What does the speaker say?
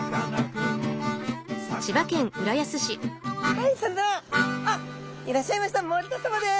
はいそれではあっいらっしゃいました森田さまです。